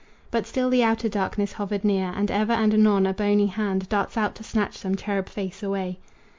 But still the outer darkness hovered near, And ever and anon a bony hand Darts out to snatch some cherub face away.